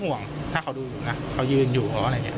ห่วงถ้าเขาดูน่ะเขายืนอยู่ห์อะไรแบบ